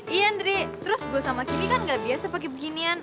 iya andri terus gue sama kimmy kan gak biasa pakai beginian